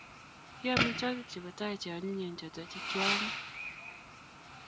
ki amitwogik chebo tai cheonyinyen choto chikyaame